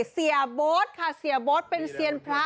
เสียโบ๊ทค่ะเสียโบ๊ทเป็นเซียนพระ